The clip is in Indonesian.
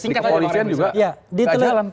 di kepolisian juga tidak jalan